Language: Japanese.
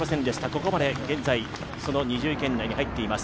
ここまで現在、２０位圏内に入っています。